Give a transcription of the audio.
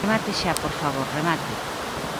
Remate xa, por favor, remate.